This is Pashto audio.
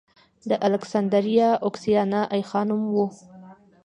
د الکسندریه اوکسیانا ای خانم و